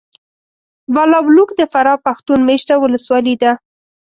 بالابلوک د فراه پښتون مېشته ولسوالي ده .